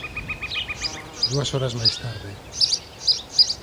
dúas horas máis tarde.